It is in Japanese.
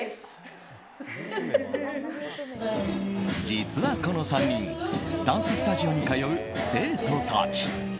実は、この３人ダンススタジオに通う生徒たち。